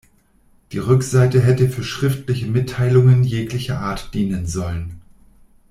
Die Rückseite hätte für schriftliche Mitteilungen jeglicher Art dienen sollen.